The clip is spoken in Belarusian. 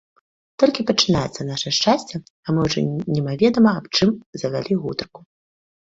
Толькі пачынаецца наша шчасце, а мы ўжо немаведама аб чым завялі гутарку.